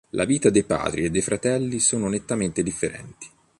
La vita dei padri e dei fratelli sono nettamente differenti.